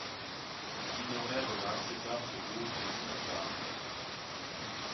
Minoret revint assez tard du Rouvre et dîna tard.